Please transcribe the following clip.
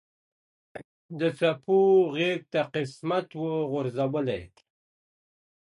د څپو غېږته قسمت وو غورځولی.